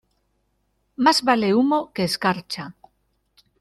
Más vale humo que escarcha.